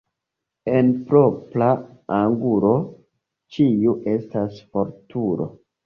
En propra angulo ĉiu estas fortulo.